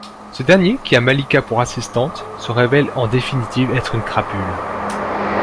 Ce dernier, qui a Malika pour assistante, se révèle en définitive être une crapule.